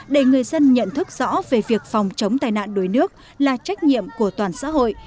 để người dân nhận thức rõ về việc phòng chống tai nạn đuối nước là trách nhiệm của toàn xã hội